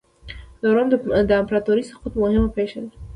د روم د امپراتورۍ سقوط مهمه پېښه ده.